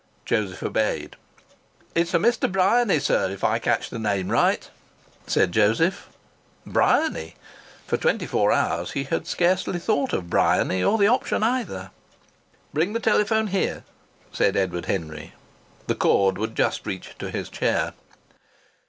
Joseph obeyed. "It's a Mr. Bryany, sir, if I catch the name right," said Joseph. Bryany! For twenty four hours he had scarcely thought of Bryany or the option either. "Bring the telephone here," said Edward Henry. The cord would just reach to his chair.